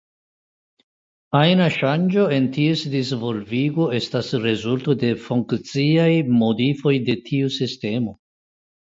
Ajna ŝanĝo en ties disvolvigo estas rezulto de funkciaj modifoj de tiu sistemo.